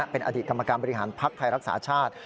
เป็นอดีตกรรมการบริหารภักดิ์ไทยรักษาชาติ